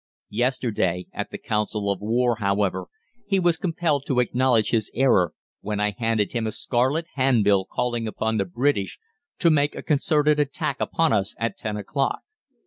"Yesterday, at the Council of War, however, he was compelled to acknowledge his error when I handed him a scarlet handbill calling upon the British to make a concerted attack upon us at ten o'clock.